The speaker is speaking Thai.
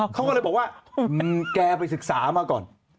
เขาก็เลยบอกว่าแกไปศึกษามาก่อน